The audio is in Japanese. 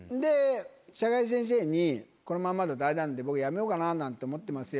堺先生に「このまんまだとあれなんで僕辞めようかななんて思ってますよ」